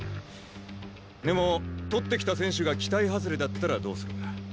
でも獲ってきた選手が期待外れだったらどうする？